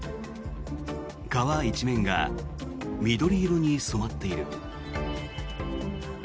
川一面が緑色に染まっている。